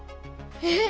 えっ！？